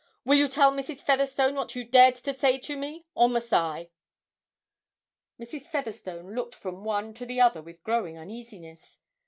'Will you tell Mrs. Featherstone what you dared to say to me, or must I?' Mrs. Featherstone looked from one to the other with growing uneasiness.